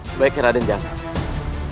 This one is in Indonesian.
sebaiknya raden jangan